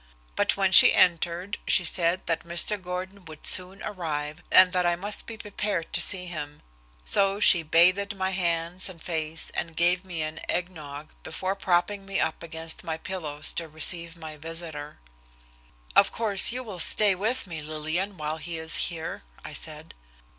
But when she entered she said that Mr. Gordon would soon arrive and that I must be prepared to see him, so she bathed my hands and face and gave me an egg nog before propping me up against my pillows to receive my visitor. "Of course you will stay with me, Lillian, while he is here," I said.